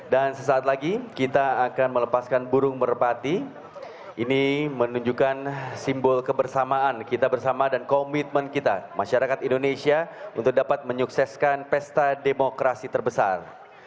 dan sesaat lagi kita akan melepaskan burung merpati ini menunjukkan simbol kebersamaan kita bersama dan komitmen kita masyarakat indonesia untuk dapat menyukseskan pesta demokrasi terbesar